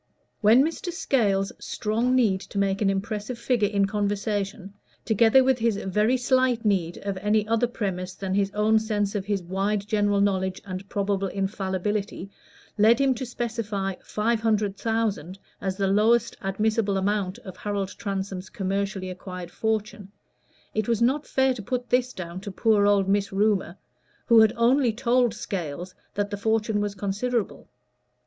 When Mr. Scales's strong need to make an impressive figure in conversation, together with his very slight need of any other premise than his own sense of his wide general knowledge and probable infallibility, led him to specify five hundred thousand as the lowest admissible amount of Harold Transome's commercially acquired fortune, it was not fair to put this down to poor old Miss Rumor, who had only told Scales that the fortune was considerable.